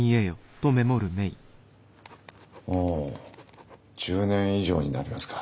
もう１０年以上になりますか。